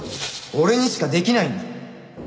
俺にしかできないんだ！